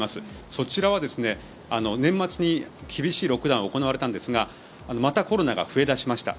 そちらは年末に厳しいロックダウンが行われたんですがまたコロナが増え出しました。